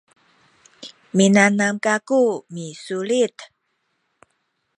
minanam kaku misulit